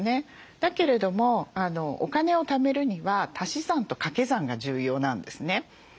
だけれどもお金をためるには足し算とかけ算が重要なんですね。